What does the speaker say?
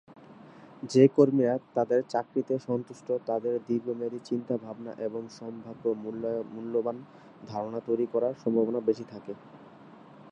যে কর্মীরা তাদের চাকরিতে সন্তুষ্ট তাদের দীর্ঘমেয়াদী চিন্তাভাবনা এবং সম্ভাব্য মূল্যবান ধারণা তৈরি করার সম্ভাবনা বেশি থাকে।